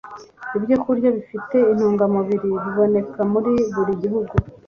ibyokurya bifite intungamubiri biboneka muri buri gihugu